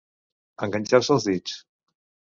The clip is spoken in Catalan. Enganxar-se els dits.